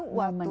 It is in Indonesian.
nah itu waktu